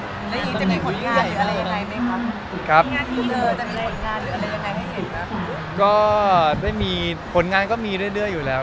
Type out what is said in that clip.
แล้วยังจะมีผลงานหรืออะไรยังไงไหมครับ